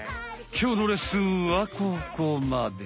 きょうのレッスンはここまで。